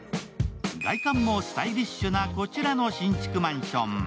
外観もスタイリッシュなこちらの新築マンション。